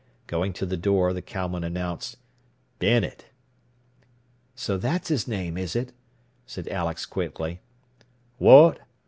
Going to the door, the cowman announced "Bennet." "So that's his name, is it?" said Alex quickly. "What?